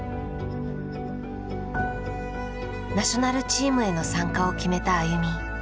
ナショナルチームへの参加を決めたＡＹＵＭＩ。